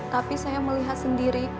tapi saya melihat sendiri